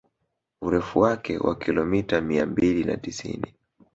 Urefu wake wa kilomita mia mbili na tisini